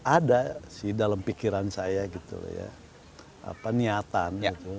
ada sih dalam pikiran saya gitu ya niatan gitu